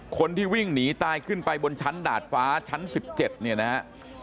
คนที่วิ่งหนีตายขึ้นไปบนชั้นดาดฟ้าชั้น๑๗เนี่ยนะฮะ